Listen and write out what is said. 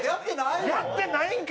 やってないんか！